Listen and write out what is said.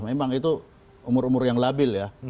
memang itu umur umur yang labil ya